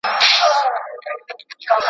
لمرمخی یار مې عادت نه لري د شپې نه راځي